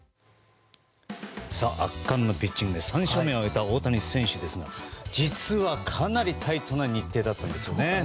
圧巻のピッチングで３勝目を挙げた大谷選手ですが実は、かなりタイトな日程だったんですね。